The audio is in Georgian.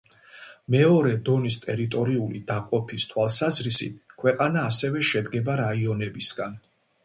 მეორე დონის ტერიტორიული დაყოფის თავალსაზრისით, ქვეყანა ასევე შედგება რაიონებისგან.